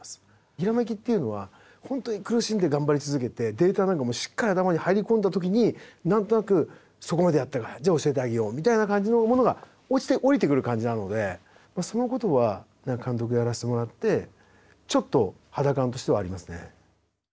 ひらめきっていうのは本当に苦しんで頑張り続けてデータなんかもしっかり頭に入り込んだ時に何となくそこまでやったかじゃあ教えてあげようみたいな感じのものが落ちて降りてくる感じなのでそのことは監督やらせてもらってちょっと肌感としてはありますね。